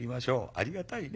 ありがたいね。